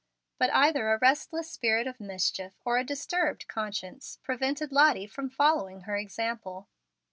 But either a restless spirit of mischief, or a disturbed conscience, prevented Lottie from following her example.